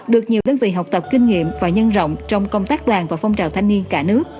được nhiều đơn vị học tập kinh nghiệm và nhân rộng trong công tác đoàn và phong trào thanh niên cả nước